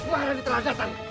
mahra ini telah datang